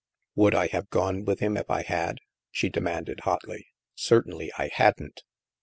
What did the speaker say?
" Would I have gone with him, if I had? " she demanded hotly. " Certainly, I hadn't."